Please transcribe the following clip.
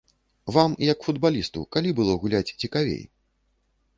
Вам, як футбалісту, калі было гуляць цікавей?